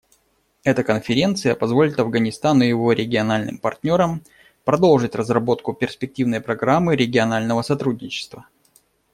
Эта конференция позволит Афганистану и его региональным партнерам продолжить разработку перспективной программы регионального сотрудничества.